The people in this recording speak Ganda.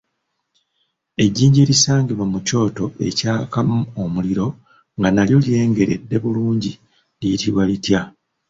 Ejjinja erisangibwa mu kyoto ekyakamu omuliro nga n'alyo lyengeredde bulungi liyitibwa litya?